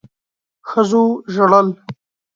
ښځو ژړل.